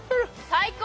最高！